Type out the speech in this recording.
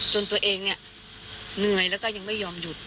จนตัวเองเนี่ยเหนื่อยแล้วก็ยังไม่ยอมหยุด